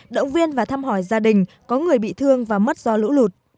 động viên và thăm hỏi gia đình có người bị thương và mất do lũ lụt